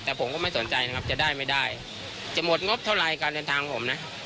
แต่ผมก็ไม่สนใจนะครับจะได้ไม่ได้จะหมดงบเท่าไรการเดินทางผมนะ